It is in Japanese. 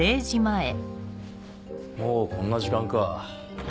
もうこんな時間か。